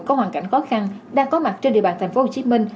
có hoàn cảnh khó khăn đang có mặt trên địa bàn thành phố hồ chí minh